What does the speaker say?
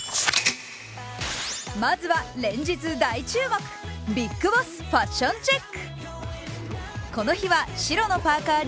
まずは連日大注目、ビッグボスファッションチェック。